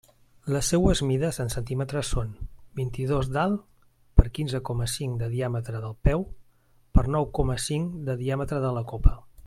Les seues mides en centímetres són: vint-i-dos d'alt per quinze coma cinc de diàmetre del peu per nou coma cinc de diàmetre de la copa.